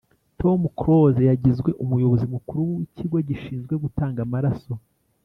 Tom close yagizwe umuyobozi mukuru wikigo gishinzwe gutanga amaraso